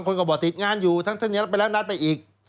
คนก็บอกติดงานอยู่ทั้งสุดทั้งนี้ถึงเรารับไปแล้านัดไปอีก